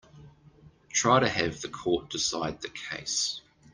Try to have the court decide the case.